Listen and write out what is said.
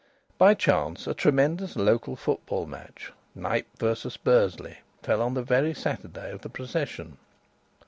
By chance a tremendous local football match Knype v: Bursley fell on the very Saturday of the procession.